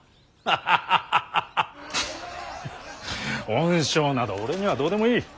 フッ恩賞など俺にはどうでもいい。